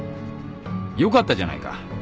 よかったじゃないか。